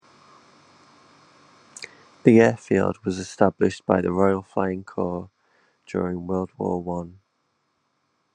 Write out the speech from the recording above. The airfield was established by the Royal Flying Corps during World War One.